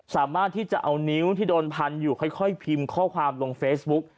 สามารถที่จะเอานิ้วที่โดนพันอยู่ค่อยพิมพ์ข้อความลงเฟซบุ๊ก